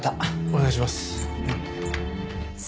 お願いします。